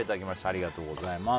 ありがとうございます。